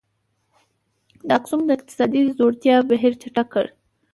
د اکسوم د اقتصادي ځوړتیا بهیر چټک کړ.